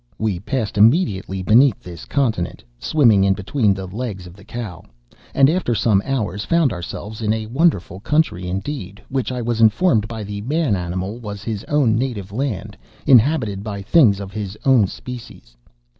"'We passed immediately beneath this continent, (swimming in between the legs of the cow), and, after some hours, found ourselves in a wonderful country indeed, which, I was informed by the man animal, was his own native land, inhabited by things of his own species.